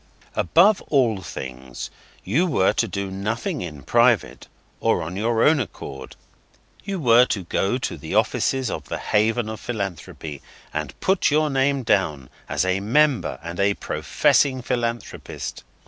Above all things, you were to do nothing in private, or on your own account. You were to go to the offices of the Haven of Philanthropy, and put your name down as a Member and a Professing Philanthropist.